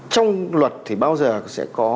trong luật thì bao giờ sẽ có